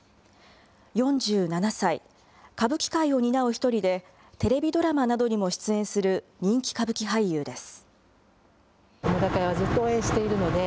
４７歳、歌舞伎界を担う１人で、テレビドラマなどにも出演する人気歌舞伎俳優です。